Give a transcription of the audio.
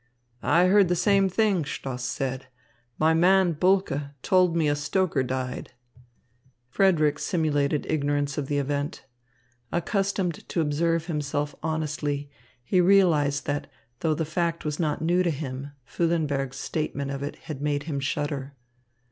"I heard the same thing," Stoss said. "My man, Bulke, told me a stoker died." Frederick simulated ignorance of the event. Accustomed to observe himself honestly, he realized that though the fact was not new to him, Füllenberg's statement of it had made him shudder.